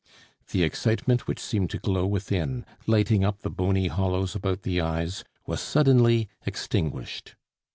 The excitement which seemed to glow within, lighting up the bony hollows about the eyes, was suddenly extinguished.